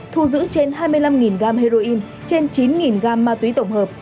thu giữ trên hai mươi năm gam heroin trên chín gam ma túy tổng hợp